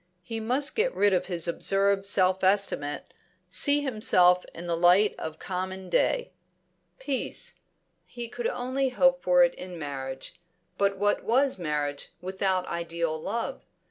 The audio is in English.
He must get rid of his absurd self estimate, see himself in the light of common day. Peace! He could only hope for it in marriage; but what was marriage without ideal love?